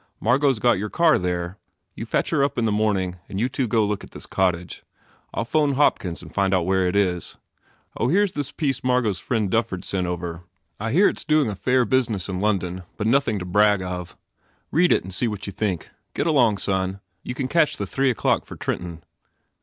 Margot s got your car there. You fetch her up in the morning and you two go look at this cottage. I ll phone Hopkins and 163 THE FAIR REWARDS find where it is. Oh, here s this piece Margot s friend Dufford s sent over. I hear it s doing a fair business in London but nothing to brag of. Read it and see what you think. Get going, son. You can catch the three o clock for Trenton."